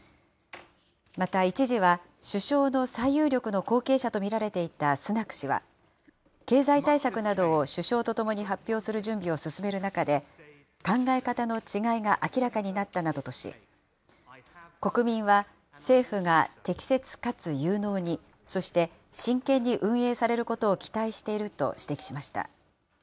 また一時は、首相の最有力の後継者と見られていたスナク氏は、経済対策などを首相とともに発表する準備を進める中で、考え方の違いが明らかになったなどとし、国民は政府が適切かつ有能に、そして真剣に運営されることを期待していると指摘しました。